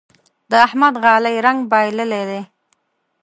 د احمد غالۍ رنګ بايللی دی.